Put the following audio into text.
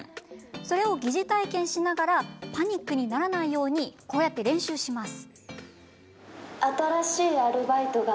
それを疑似体験しながらパニックにならないように練習します。